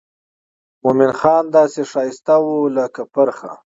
مومن خان داسې ښایسته و لکه پرخه.